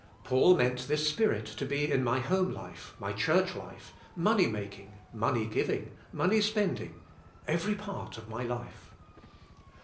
Paul meant this Spirit to be in my home life, my church life, money making", money giving", money spending, every part of my life.